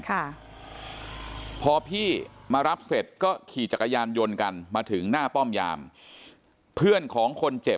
ขี่จักรยานยนต์มารับน้อง